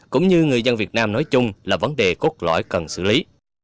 cũng như người dân việt nam nói chung là vấn đề cốt lõi cần xử lý